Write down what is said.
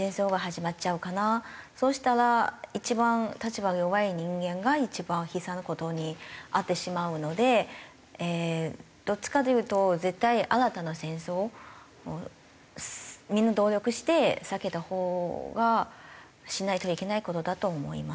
そしたら一番立場が弱い人間が一番悲惨な事に遭ってしまうのでどっちかというと絶対新たな戦争をみんな努力して避けたほうがしないといけない事だと思います。